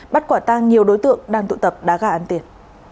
bắt quả tang nhiều đối tượng đang tụ tập đá gà ăn tiền